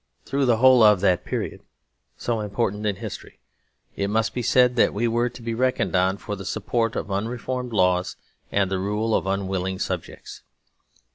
Through the whole of that period, so important in history, it must be said that we were to be reckoned on for the support of unreformed laws and the rule of unwilling subjects.